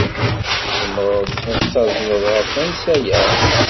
Tzemreḍ ad t-tazneḍ ɣer tansa-a?